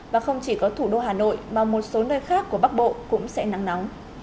và không chỉ có thủ đô hà nội mà một số nơi khác của bắc bộ cũng sẽ nắng nóng